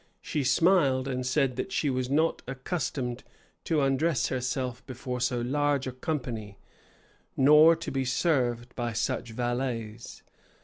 She smiled, and said that she was not accustomed to undress herself before so large a company, nor to be served by such valets.